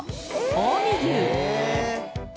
「近江牛？」